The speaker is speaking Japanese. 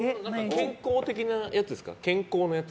健康的なやつですか？